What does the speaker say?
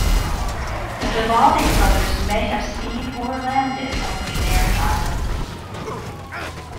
The Vivaldi brothers may have seen or landed on the Canary Islands.